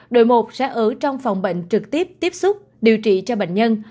đội một sẽ ở trong phòng bệnh trực tiếp tiếp xúc điều trị cho bệnh nhân